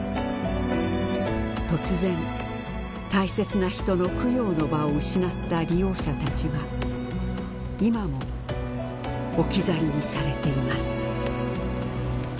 突然大切な人の供養の場を失った利用者たちは今も置き去りにされています。